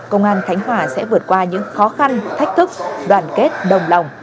công an khánh hòa sẽ vượt qua những khó khăn thách thức đoàn kết đồng lòng